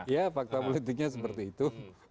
ya fakta politiknya seperti itu